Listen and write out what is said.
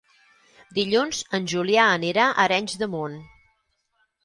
Dilluns en Julià anirà a Arenys de Munt.